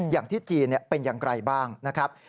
อย่างที่จีนเป็นอย่างไรบ้างนะครับ